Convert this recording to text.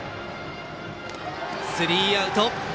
スリーアウト。